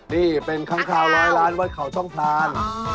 นี่เป็นค่ำขาวร้อยล้านวัดเขาช่องพลาน